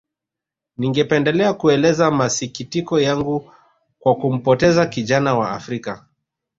Ningependa kuelezea masikitiko yangu kwa kumpoteza kijana wa Afrika